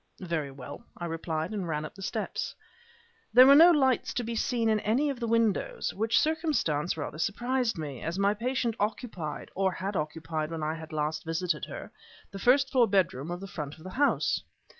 "Very well," I replied, and ran up the steps. There were no lights to be seen in any of the windows, which circumstance rather surprised me, as my patient occupied, or had occupied when last I had visited her, a first floor bedroom in the front of the house.